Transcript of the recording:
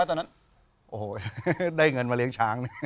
โอ้โหได้เงินมาเลี้ยงช้าง